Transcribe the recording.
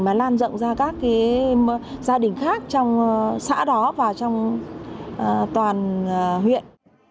mà lan rộng ra các gia đình khác trong xã đó và trong toàn huyện